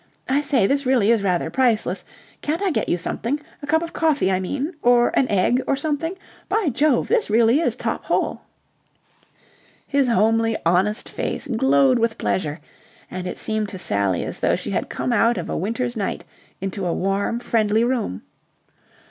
I say, this really is rather priceless. Can't I get you something? A cup of coffee, I mean, or an egg or something? By jove! this really is top hole." His homely, honest face glowed with pleasure, and it seemed to Sally as though she had come out of a winter's night into a warm friendly room.